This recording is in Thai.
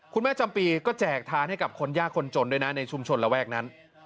จำปีก็แจกทานให้กับคนยากคนจนด้วยนะในชุมชนระแวกนั้น